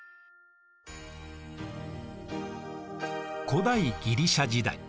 古代ギリシア時代。